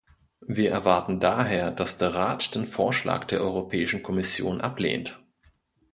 Wir erwarten daher, dass der Rat den Vorschlag der Europäischen Kommission ablehnt.